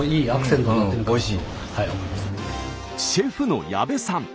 シェフの矢部さん。